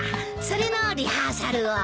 それのリハーサルを。